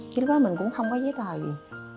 chứ lúc đó mình cũng không có giấy tờ gì